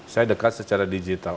saya dekat secara digital